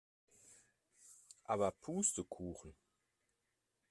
Aber Pustekuchen!